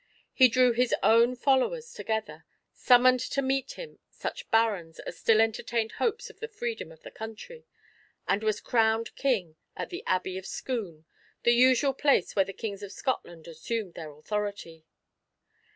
He drew his own followers together, summoned to meet him such barons as still entertained hopes of the freedom of the country, and was crowned King at the Abbey of Scone, the usual place where the Kings of Scotland assumed their authority.